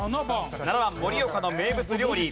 盛岡の名物料理。